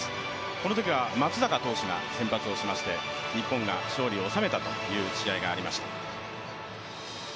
このときは松坂投手が先発をしまして日本が勝利を収めたという試合がありました。